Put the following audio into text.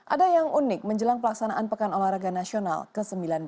ada yang unik menjelang pelaksanaan pekan olahraga nasional ke sembilan belas